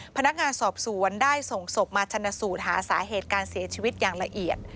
พนักงานสอบสวนได้ส่งศพมาชนะสูตรหาสาเหตุการเสียชีวิตอย่างละเอียด